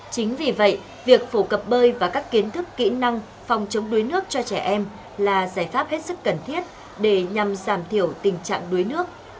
chính vì vậy việc phổ cập bơi và các kiến thức kỹ năng phòng chống đuối nước cho trẻ em là giải pháp hết sức cần thiết để nhằm giảm thiểu tình trạng đuối nước